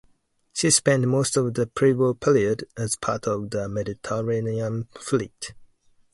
She spent most of the pre-war period as part of the Mediterranean Fleet.